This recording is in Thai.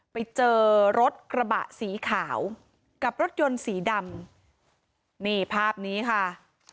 ไปเจอรถกระบะสีขาวกับรถยนต์สีดำนี่ภาพนี้ค่ะ